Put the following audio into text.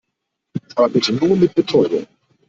Aber bitte nur mit Betäubung.